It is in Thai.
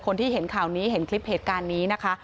คนที่เห็นข่าวนี้เห็นคลิปเหตุการณ์นี้นะคะ